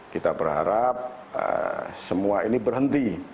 kita berharap semua ini berhenti